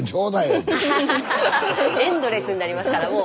エンドレスになりますからもう。